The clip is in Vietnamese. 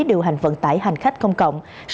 điều hành vận tải hành khách công cộng